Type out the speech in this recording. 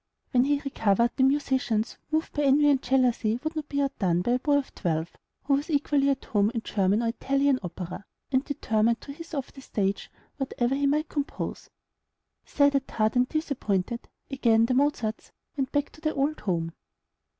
When he recovered, the musicians, moved by envy and jealousy, would not be outdone by a boy of twelve, who was equally at home in German or Italian opera, and determined to hiss off the stage whatever he might compose. Sad at heart, and disappointed, again the Mozarts went back to the old home.